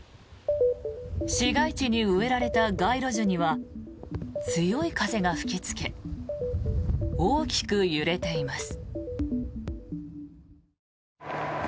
市街地に植えられた街路樹には強い風が吹きつけ大きく揺れています。